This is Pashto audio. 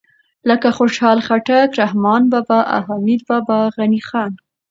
لکه خوشحال خټک، رحمان بابا او حمید بابا، غني خان